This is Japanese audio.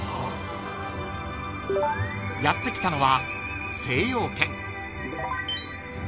［やって来たのは］